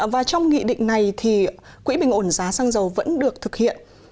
và trong nghị định này thì quỹ bình ổn giá xăng dầu vẫn được thực hiện